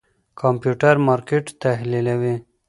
کمپيوټر مارکېټ تحليلوي.